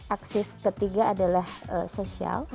aksis ketiga adalah sosial